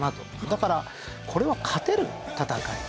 だからこれは勝てる戦い。